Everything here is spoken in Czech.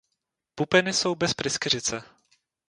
Pupeny jsou bez pryskyřice.